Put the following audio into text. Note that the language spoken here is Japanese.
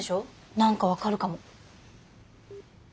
何か分かるかも。